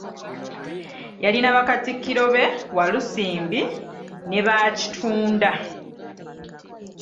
Yalina Bakatikkiro be Walusimbi ne Baakitunda.